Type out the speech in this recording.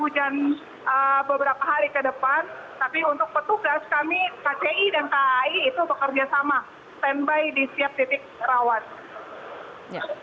hujan beberapa hari ke depan tapi untuk petugas kami kci dan kai itu bekerja sama standby di setiap titik rawan